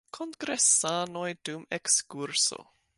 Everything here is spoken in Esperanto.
Kongresanoj dum ekskurso.